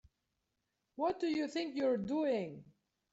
What do you think you're doing?